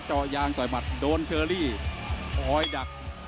ตามต่อยกที่๓ครับ